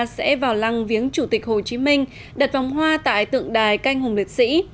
sẽ vào lăng viếng chủ tịch hồ chí minh đặt vòng hoa tại tượng đài canh hùng liệt sĩ